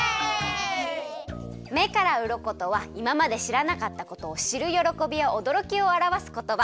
目からうろことはいままでしらなかったことをしるよろこびやおどろきをあらわすことば。